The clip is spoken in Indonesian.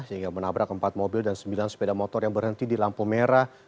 sehingga menabrak empat mobil dan sembilan sepeda motor yang berhenti di lampu merah